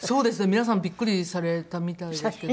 皆さんビックリされたみたいですけど。